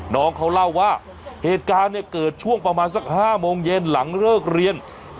น้องเขาเล่าว่าเหตุการณ์เนี่ยเกิดช่วงประมาณสัก๕โมงเย็นหลังเลิกเรียน